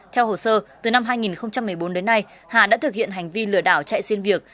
theo hồ sơ từ năm hai nghìn một mươi bốn đến nay hà đã thực hiện hành vi lừa đảo chạy xin việc